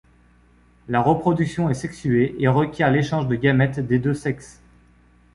La reproduction est sexuée et requiert l'échange de gamètes des deux sexes.